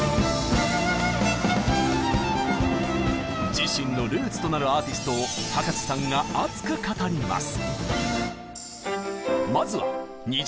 自身のルーツとなるアーティストを葉加瀬さんが熱く語ります。